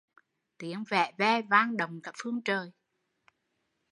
Tiếng vẽ ve vang động cả phương trời